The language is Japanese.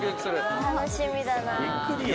楽しみだな。